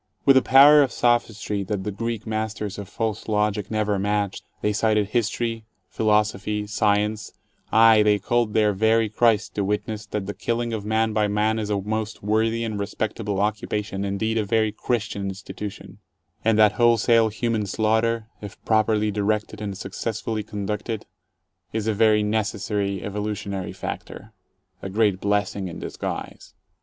With a power of sophistry that the Greek masters of false logic never matched, they cited history, philo sophy, science — aye, they called their very Christ to witness that the killing of man by man is a most worthy and respectable occupation, indeed a very Christian institution, and that wholesale human slaughter, if properly directed and successfully conducted, is a very necessary evolutionary factor, a great blessing in disguise.